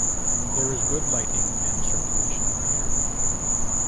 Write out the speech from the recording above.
There is good lighting and circulation of air.